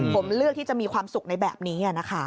ผมเลือกที่จะมีความสุขในแบบนี้นะคะ